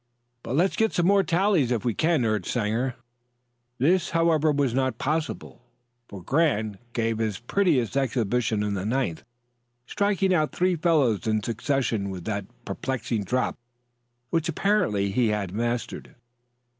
"But let's get some more tallies if we can," urged Sanger. This, however, was not possible; for Grant gave his prettiest exhibition in the ninth, striking out three fellows in succession with that perplexing drop, which apparently he had mastered.